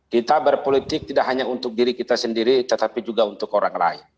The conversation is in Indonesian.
kita berpolitik tidak hanya untuk diri kita sendiri tetapi juga untuk orang lain